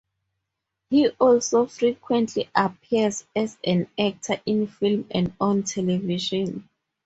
He also frequently appears as an actor in film and on television.